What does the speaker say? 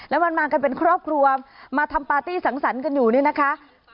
แล้วมันมากันเป็นครอบครัวมาทำปาร์ตี้สังสรรค์กันอยู่นี่นะคะ